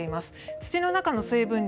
土の中の水分量